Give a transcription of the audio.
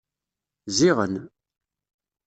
Ziɣen.